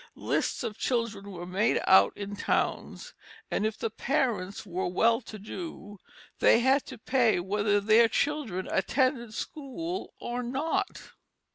Lists of children were made out in towns, and if the parents were well to do, they had to pay whether their children attended school or not.